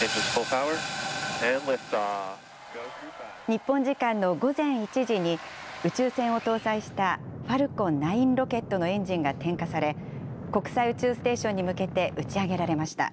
日本時間の午前１時に、宇宙船を搭載したファルコン９ロケットのエンジンが点火され、国際宇宙ステーションに向けて打ち上げられました。